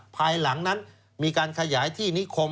ภายหลังนั้นมีการขยายที่นิคม